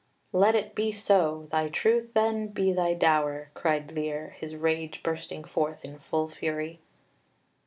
"Let it be so; thy truth, then, be thy dower," cried Lear, his rage bursting forth in full fury.